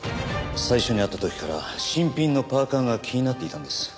最初に会った時から新品のパーカが気になっていたんです。